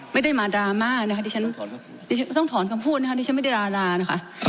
ไม่ได้มาดราม่านะคะดิฉันต้องถอนคำพูดนะคะดิฉันไม่ได้ดารานะคะ